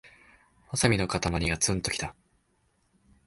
ワサビのかたまりがツンときた